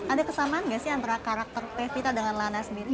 ada kesamaan nggak sih antara karakter pevita dengan lana sendiri